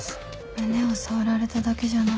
胸を触られただけじゃない